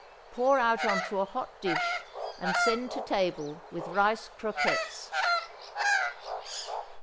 Pour out on a hot dish, and send to table with rice croquettes.